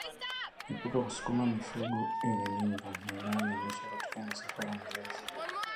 Epuka kusukuma mifugo yenye mimba na inayonyonyesha katika misafara mirefu